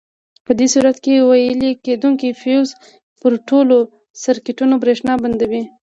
په دې صورت کې ویلې کېدونکي فیوز پر ټولو سرکټونو برېښنا بندوي.